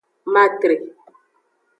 Matre.